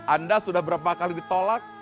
anda sudah berapa kali ditolak